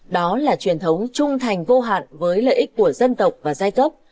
đó là truyền thống trung thành vô hạn với lợi ích của dân tộc và giai cấp